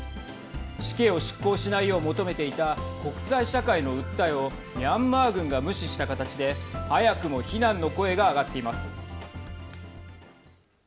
死刑を執行しないよう求めていた国際社会の訴えをミャンマー軍が無視した形で早くも非難の声が上がっています。